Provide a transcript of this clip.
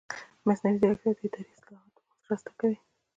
مصنوعي ځیرکتیا د اداري اصلاحاتو مرسته کوي.